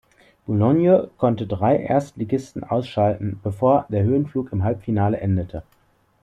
Boulogne konnte drei Erstligisten ausschalten, bevor der Höhenflug im Halbfinale endete.